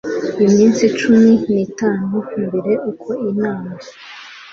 iminsi cumi n itanu mbere y uko inama